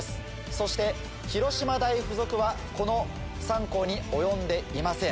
そして広島大附属はこの３校に及んでいません。